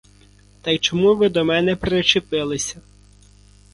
Та й чому ви до мене причепилися?